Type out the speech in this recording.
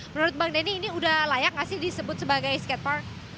menurut bang denny ini udah layak gak sih disebut sebagai skate park